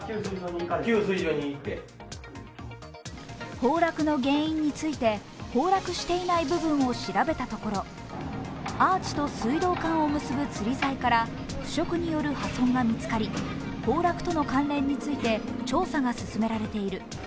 崩落の原因について崩落していない部分を調べたところアーチと水道管を結ぶつり材から腐食による破損が見つかり、崩落との関連について調査が進められている。